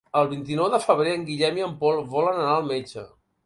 El vint-i-nou de febrer en Guillem i en Pol volen anar al metge.